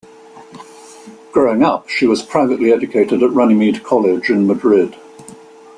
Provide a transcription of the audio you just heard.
Growing up, she was privately educated at Runnymede College in Madrid.